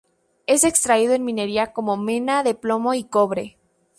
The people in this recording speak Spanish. Es extraído en minería como mena de plomo y cobre.